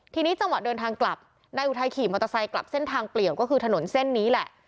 ทีนี้จังหวะเดินทางกลับนายอุทัยขี่มอเตอร์ไซค์กลับเส้นทางเปลี่ยวก็คือถนนเส้นนี้แหละ